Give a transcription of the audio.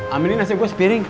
aminin nasi gua sepiring